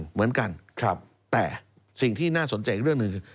เหมือนกันแต่สิ่งที่น่าสนใจอีกเรื่องหนึ่งคือ